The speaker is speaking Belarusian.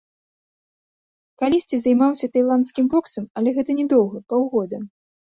Калісьці займаўся тайландскім боксам, але гэта не доўга, паўгода.